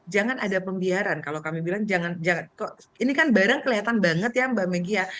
jangan ada pembiaran kalau kami bilang jangan kok ini kan barang kelihatan banget ya mbak megi ya